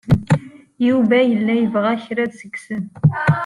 Yuba yella yebɣa kraḍ seg-sen.